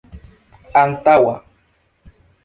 antaŭa